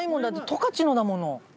十勝のだもの。